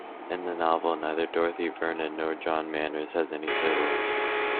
In the novel, neither Dorothy Vernon nor John Manners has any siblings.